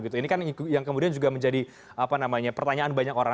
ini kan yang kemudian juga menjadi pertanyaan banyak orang